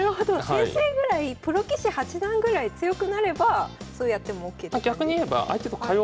先生ぐらいプロ棋士八段ぐらい強くなればそうやってもＯＫって感じ？